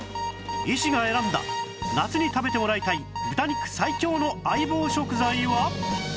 医師が選んだ夏に食べてもらいたい豚肉最強の相棒食材は？